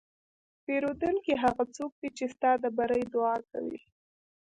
پیرودونکی هغه څوک دی چې ستا د بری دعا کوي.